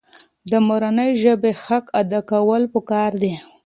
د مورنۍ ژبې حق ادا کول پکار دي.